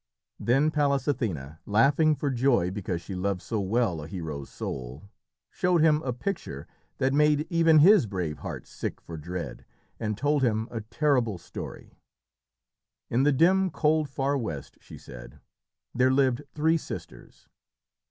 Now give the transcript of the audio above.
Then Pallas Athené, laughing for joy, because she loved so well a hero's soul, showed him a picture that made even his brave heart sick for dread, and told him a terrible story. In the dim, cold, far west, she said, there lived three sisters.